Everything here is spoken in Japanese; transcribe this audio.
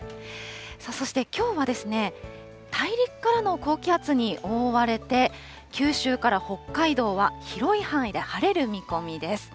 そしてきょうは、大陸からの高気圧に覆われて、九州から北海道は広い範囲で晴れる見込みです。